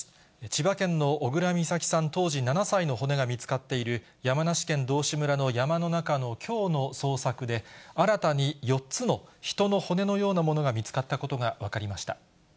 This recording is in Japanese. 千葉県の小倉美咲さん、当時７歳の骨が見つかっている、山梨県道志村の山の中のきょうの捜索で、新たに４つの人の骨のようなものが見つかったことが分かりました。